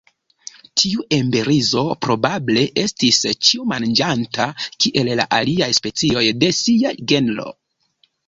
Tiu emberizo probable estis ĉiomanĝanta, kiel la aliaj specioj de sia genro.